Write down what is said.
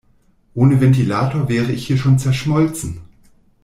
Ohne Ventilator wäre ich hier schon zerschmolzen.